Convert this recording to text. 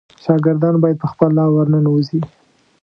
شاګردان باید په خپله ورننوزي.